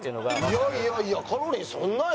いやいやいやカロリーそんなよ。